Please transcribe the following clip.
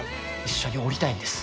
一緒におりたいんです。